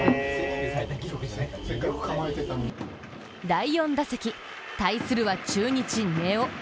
第４打席、対するは中日・根尾。